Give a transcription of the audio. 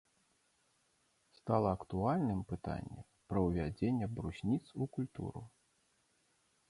Стала актуальным пытанне пра ўвядзенне брусніц у культуру.